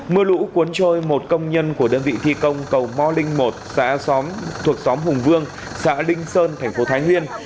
mưa lũ cuốn trôi một công nhân của đơn vị thi công cầu mò linh một xã thuộc xóm hùng vương xã linh sơn thành phố thái nguyên